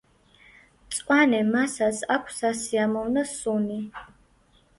მწვანე მასას აქვს სასიამოვნო სუნი.